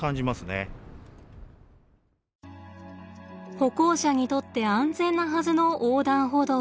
歩行者にとって安全なはずの横断歩道。